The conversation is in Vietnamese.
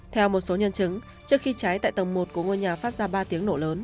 theo một số nhân chứng trước khi cháy tại tầng một của ngôi nhà phát ra ba tiếng nổ lớn